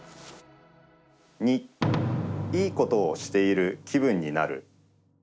２、いいことをしている気分になる。